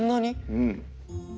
うん。